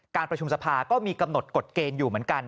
ประชุมสภาก็มีกำหนดกฎเกณฑ์อยู่เหมือนกัน